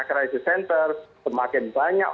crisis center semakin banyak